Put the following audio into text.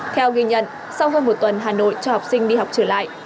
theo ghi nhận sau hơn một tuần hà nội cho học sinh đi học trở lại